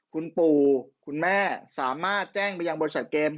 คุณปู่คุณแม่สามารถแจ้งไปยังบริษัทเกม